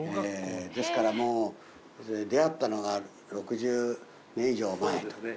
ですからもう出会ったのが６０年以上前と。